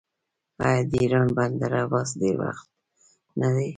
آیا د ایران بندر عباس ډیر بوخت نه دی؟